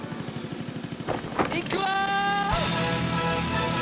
いくわ！